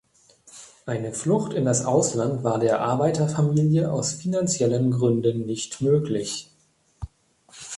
Eine Flucht in das Ausland war der Arbeiterfamilie aus finanziellen Gründen nicht möglich.